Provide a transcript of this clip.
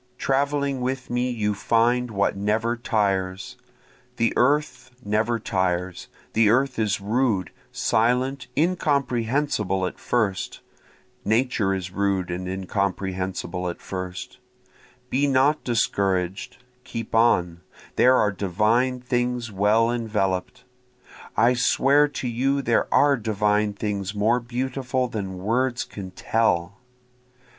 Traveling with me you find what never tires. The earth never tires, The earth is rude, silent, incomprehensible at first, Nature is rude and incomprehensible at first, Be not discouraged, keep on, there are divine things well envelop'd, I swear to you there are divine things more beautiful than words can tell.